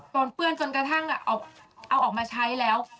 ปนเปื้อนจนกระทั่งเอาออกมาใช้แล้ว